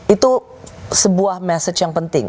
itu sebuah message yang penting